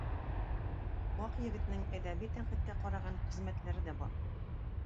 Акъегетнең әдәби тәнкыйтькә караган хезмәтләре дә бар.